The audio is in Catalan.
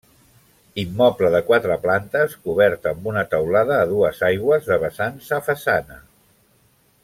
Immoble de quatre plantes, cobert amb una teulada a dues aigües de vessants a façana.